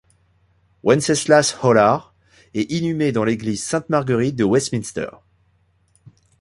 Wenceslas Hollar est inhumé dans l’église Sainte-Marguerite de Westminster.